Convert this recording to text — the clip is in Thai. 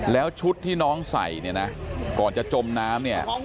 แล้วชุดที่น้องใส่เนี่ยนะก่อนจะจมน้ำเนี่ย